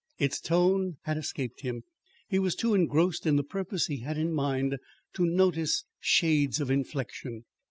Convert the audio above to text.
Its tone had escaped him. He was too engrossed in the purpose he had in mind to notice shades of inflection.